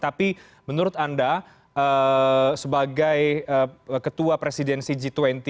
tapi menurut anda sebagai ketua presidensi g dua puluh